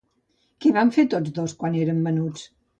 Què van fer tots dos quan eren menuts?